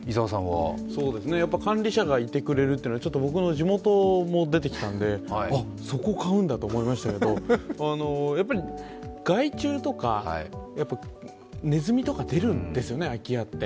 管理者がいてくれるというのは、僕の地元も出てきたんで、あっ、そこ買うんだと思いましたけどやっぱり害虫とかねずみとか出るんですよね、空き家って。